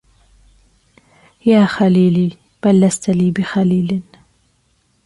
يا خليلي بل لست لي بخليل